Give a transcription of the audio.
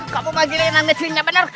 kamu bagi lena ngecilnya bener